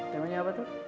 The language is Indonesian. temanya apa tuh